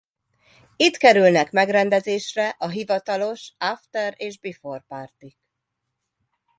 Itt kerülnek megrendezésre a hivatalos after- és beforeparty-k.